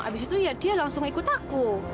habis itu ya dia langsung ikut aku